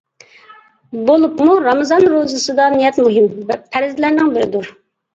بولۇپمۇ رامىزان روزىسىدا نىيەت مۇھىم پەرزلەرنىڭ بىرىدۇر.